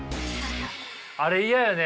あれ嫌やね。